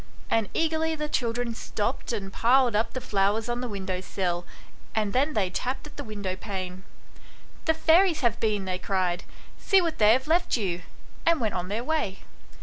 And eagerly the children stopped and piled up the flowers on the window sill, and then they tapped at the window pane. " The fairies have been/' they cried ;" see what they have left you ;" and went on their way.